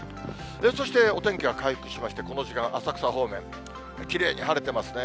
そしてお天気は回復しまして、この時間、浅草方面、きれいに晴れてますね。